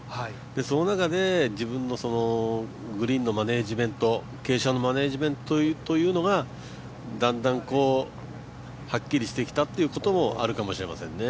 その中で自分のグリーンのマネージメント、傾斜のマネージメントがだんだんはっきりしてきたっていうこともあるかもしれませんね。